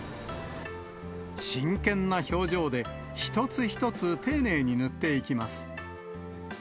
真剣な表情で、一つ一つ丁寧に塗っていきます。